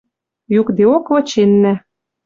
Юкдеок выченнӓ